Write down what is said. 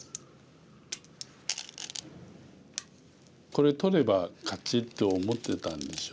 これ取れば勝ちと思ってたんでしょうけど。